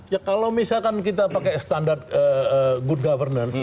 ya kalau misalkan kita pakai standar good governance